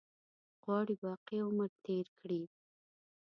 غواړي باقي عمر تېر کړي.